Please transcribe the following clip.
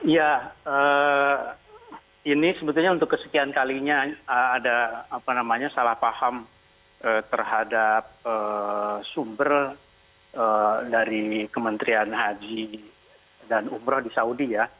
ya ini sebetulnya untuk kesekian kalinya ada salah paham terhadap sumber dari kementerian haji dan umroh di saudi ya